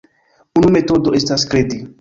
Unu metodo estas kredi.